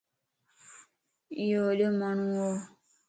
ايو وڏيو ماڻھون وَ